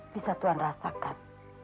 bisa tuhan rasakan